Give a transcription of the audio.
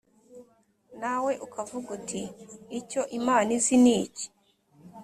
nawe ukavuga uti ‘icyo imana izi ni iki’